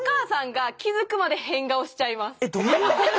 私はえっどういうこと？